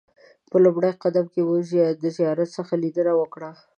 په لومړي قدم کې مو د زیارت څخه لیدنه وکړه.